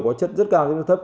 chất rất cao chất rất thấp